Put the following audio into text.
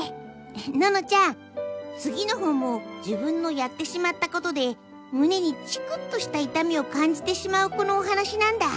ののちゃんつぎの本も自分のやってしまったことでむねにチクッとしたいたみをかんじてしまう子のお話なんだ。